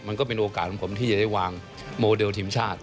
มันก็เป็นโอกาสของผมที่จะได้วางโมเดลทีมชาติ